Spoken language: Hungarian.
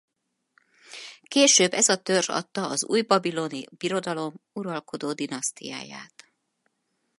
Később ez a törzs adta az Újbabiloni Birodalom uralkodó dinasztiáját.